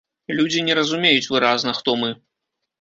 Людзі не разумеюць выразна, хто мы.